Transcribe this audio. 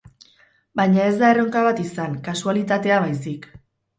Baina ez da erronka bat izan, kasualitatea baizik.